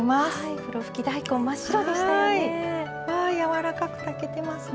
ふろふき大根真っ白でしたよね。